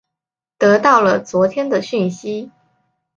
得到了昨天的讯息